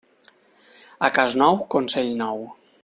A cas nou, consell nou.